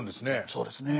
そうですね。